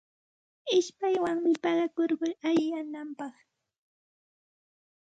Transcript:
Ishpaywanmi paqakurkun allinyananpaq.